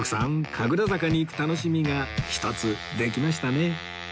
神楽坂に行く楽しみが１つできましたね